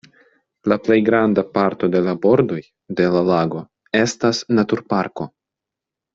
La plejgranda parto de la bordoj de la lago estas naturparko.